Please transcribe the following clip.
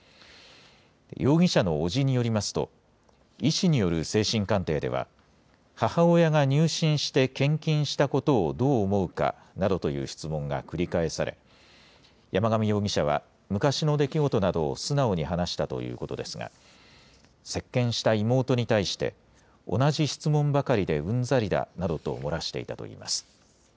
容疑者の伯父によりますと、医師による精神鑑定では、母親が入信して献金したことをどう思うかなどという質問が繰り返され、山上容疑者は、昔の出来事などを素直に話したということですが、接見した妹に対して、同じ質問ばかりでうんざりだなどと漏らしていたといいます。